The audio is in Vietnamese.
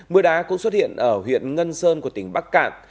mưa đá cũng xuất hiện ở huyện ngân sơn của tỉnh bắc cạn